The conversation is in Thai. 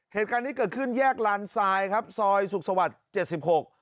เหตุการณ์นี้เกิดขึ้นแยกลานทรายครับซอยสุขสวรรค์เจ็ดสิบหก